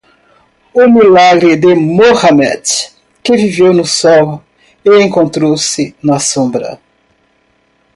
O milagre de Muhammad, que viveu no sol e encontrou-se na sombra.